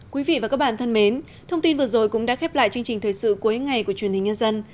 quý vị và các bạn thân mến thông tin vừa rồi cũng đã khép lại chương trình thời sự cuối ngày của truyền hình nhân dân